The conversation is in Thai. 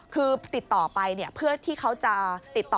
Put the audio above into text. คือติดต่อไปเพื่อที่เขาจะติดต่อ